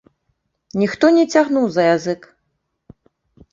Ніхто не цягнуў за язык.